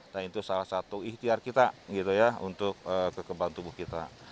nah itu salah satu ikhtiar kita gitu ya untuk kekebalan tubuh kita